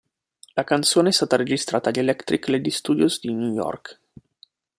La canzone è stata registrata agli Electric Lady Studios di New York.